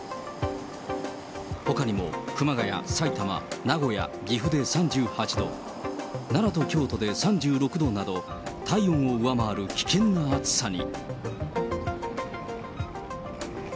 ほかにも熊谷、さいたま、名古屋、岐阜で３８度、奈良と京都で３６度など、体温を上回る危険な暑さに。